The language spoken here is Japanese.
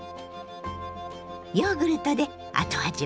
ヨーグルトで後味はさっぱり。